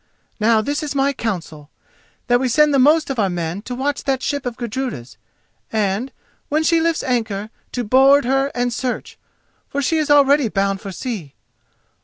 Now this is my counsel: that we send the most of our men to watch that ship of Gudruda's, and, when she lifts anchor, to board her and search, for she is already bound for sea.